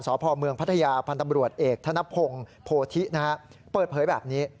สพพัทยาพันธมรวชเอกธนพงโพธิเปิดเผยแบบนี้